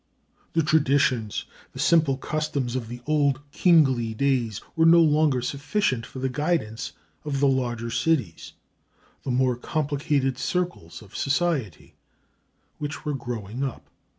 The traditions, the simple customs of the old kingly days, were no longer sufficient for the guidance of the larger cities, the more complicated circles of society, which were growing up.